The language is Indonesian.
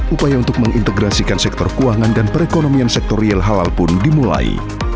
upaya untuk mengintegrasikan sektor keuangan dan perekonomian sektor real halal pun dimulai